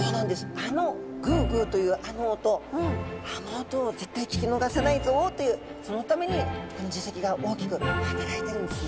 あのグゥグゥというあの音あの音を絶対聞き逃さないぞというそのためにこの耳石が大きく働いているんですね。